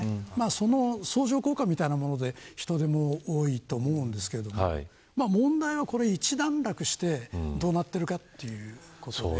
その相乗効果みたいなもので人手も多いと思うんですけど問題はこれ一段落してどうなっているかということです。